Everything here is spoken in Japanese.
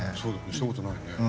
したことないね。